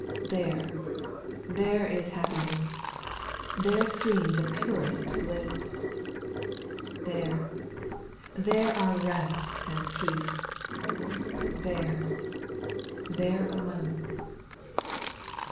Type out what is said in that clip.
There, there is happiness, There streams of purest bliss ; There, there are rest and peace — There, there alone.